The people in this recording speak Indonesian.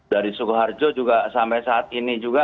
dari sukoharjo juga sampai saat ini juga